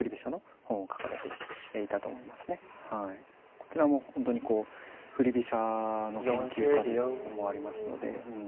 こちらも本当にこう振り飛車の研究家でもありますので。